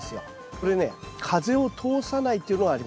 これね風を通さないっていうのがあります。